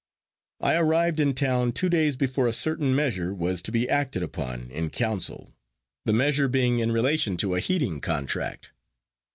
I arrived in town two days before a certain measure was to be acted upon in council, the measure being in relation to a heating contract.